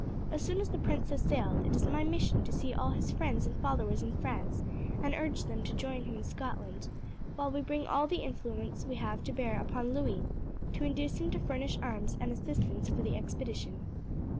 As soon as the prince has sailed it is my mission to see all his friends and followers in France, and urge them to join him in Scotland; while we bring all the influence we have to bear upon Louis, to induce him to furnish arms and assistance for the expedition."